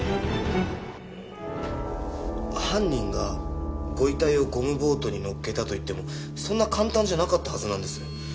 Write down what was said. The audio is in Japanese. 犯人がご遺体をゴムボートに載っけたといってもそんな簡単じゃなかったはずなんです。